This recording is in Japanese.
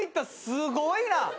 すごいな。